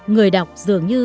người đọc dường như